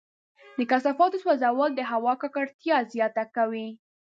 د کثافاتو سوځول د هوا ککړتیا زیاته کوي.